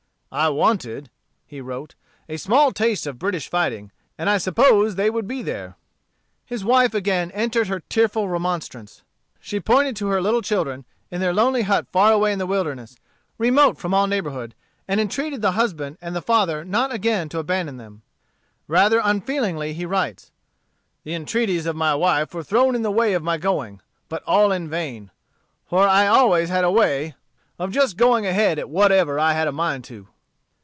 "I wanted," he wrote, "a small taste of British fighting, and I supposed they would be there." His wife again entered her tearful remonstrance. She pointed to her little children, in their lonely hut far away in the wilderness, remote from all neighborhood, and entreated the husband and the father not again to abandon them. Rather unfeelingly he writes, "The entreaties of my wife were thrown in the way of my going, but all in vain; for I always had a way of just going ahead at whatever I had a mind to."